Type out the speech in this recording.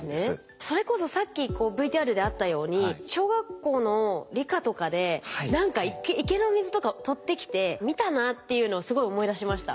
それこそさっきＶＴＲであったように小学校の理科とかで何か池の水とかを取ってきて見たなっていうのをすごい思い出しました。